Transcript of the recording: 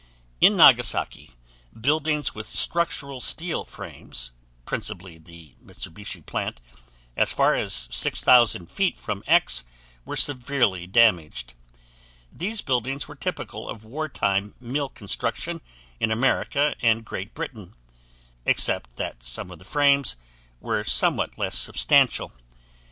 In Nagasaki, buildings with structural steel frames, principally the Mitsubishi Plant as far as 6,000 feet from X were severely damaged; these buildings were typical of wartime mill construction in America and Great Britain, except that some of the frames were somewhat less substantial.